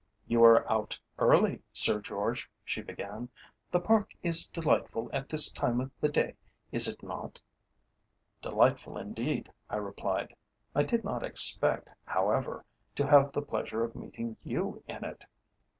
"You are out early, Sir George," she began. "The Park is delightful at this time of the day, is it not?" "Delightful indeed," I replied. "I did not expect, however, to have the pleasure of meeting you in it."